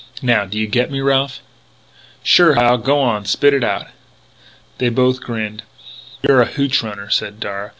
Now do you get me, Ralph?" "Sure, Hal. Go on; spit it out!" They both grinned. "You're a hootch runner," said Darragh.